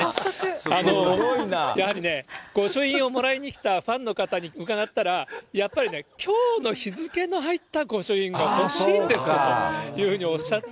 やはりね、御朱印をもらいに来たファンの方に伺ったら、やっぱりね、きょうの日付の入った御朱印が欲しいんですよというふうにおっしゃってて。